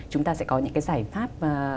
chúng ta sẽ có những giải pháp